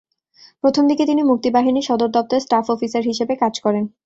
প্রথম দিকে তিনি মুক্তিবাহিনীর সদর দপ্তরে স্টাফ অফিসার হিসেবে কাজ করেন।